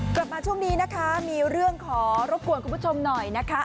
กลับมาช่วงนี้นะคะมีเรื่องขอรบกวนคุณผู้ชมหน่อยนะคะ